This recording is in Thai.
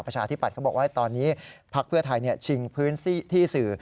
ประชาธิบัตย์เขาบอกว่าตอนนี้พักเพื่อไทยชิงพื้นที่สื่อ